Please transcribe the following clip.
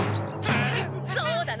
そうだな。